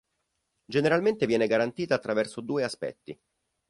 Generalmente viene garantita attraverso due aspetti.